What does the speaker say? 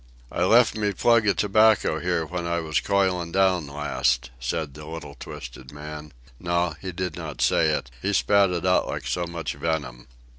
"I left me plug of tobacco here when I was coiling down last," said the little twisted man—no; he did not say it. He spat it out like so much venom.